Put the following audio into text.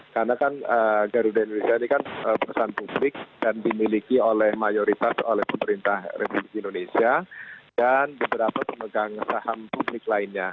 karena kan garuda indonesia ini kan pesan publik dan dimiliki oleh mayoritas oleh pemerintah republik indonesia dan beberapa pemegang saham publik lainnya